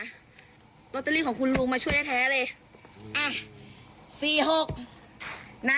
นี่ลอตเตอรี่ของคุณลุงมาช่วยให้แท้เลย